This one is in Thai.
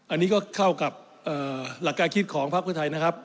อันนี้ก็เข้ากับหลักการคิดของพักเพื่อไทยนะครับ